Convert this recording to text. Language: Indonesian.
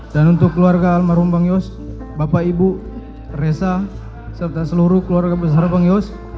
dan untuk keluarga almarhum bang yos bapak ibu resa serta seluruh keluarga besar bang yos